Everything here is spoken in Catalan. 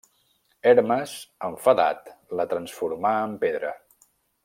Hermes, enfadat, la transformà en pedra.